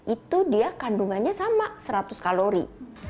itu dia kandungannya sama seratus kalori